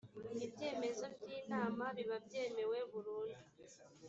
ibyemezo by inama biba byemewe burundu